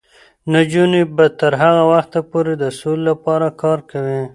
نجونې به تر هغه وخته پورې د سولې لپاره کار کوي.